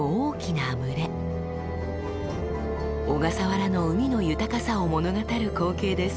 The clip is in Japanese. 小笠原の海の豊かさを物語る光景です。